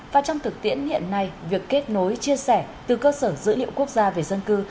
và trong thực tiễn hiện nay việc kết nối chia sẻ từ cơ sở dữ liệu quốc gia về dân cư